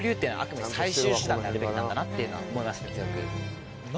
でやるべきなんだなっていうのは思いますね強く。